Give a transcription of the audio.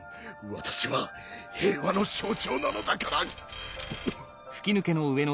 私は平和の象徴なのだから！